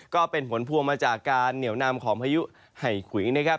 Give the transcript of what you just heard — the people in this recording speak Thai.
ก็เป็นผลพวงมาจากการเหนียวนำของพายุไห่ขุยนะครับ